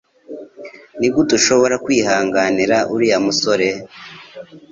Nigute ushobora kwihanganira uriya musore?